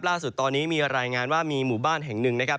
ล่าสุดตอนนี้มีรายงานว่ามีหมู่บ้านแห่งหนึ่งนะครับ